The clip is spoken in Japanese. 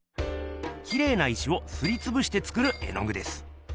きれいな石をすりつぶして作る絵のぐです。